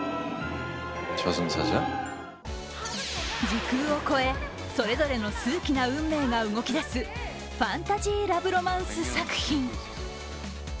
時空を超え、それぞれの数奇な運命が動き出すファンタジーラブロマンス作品。